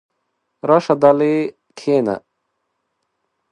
راشه دلې کښېنه!